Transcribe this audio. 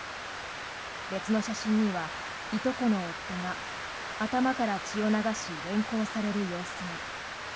別の写真にはいとこの夫が頭から血を流し連行される様子が。